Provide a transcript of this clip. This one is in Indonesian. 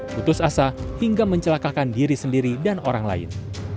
putus asa hingga mencelakakan diri sendiri dan orang lain